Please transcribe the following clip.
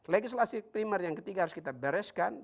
legislasi primer yang ketiga harus kita bereskan